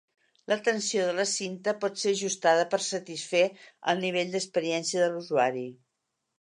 La tensió de la cinta pot ser ajustada per satisfer el nivell d'experiència de l'usuari.